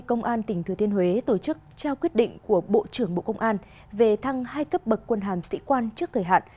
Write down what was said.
công an tỉnh thừa thiên huế tổ chức trao quyết định của bộ trưởng bộ công an về thăng hai cấp bậc quân hàm sĩ quan trước thời hạn